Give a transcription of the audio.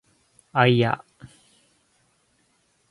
あいあ